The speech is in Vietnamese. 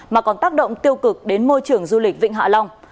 mà còn tác động tiêu cực đến môi trường du lịch vịnh hạ long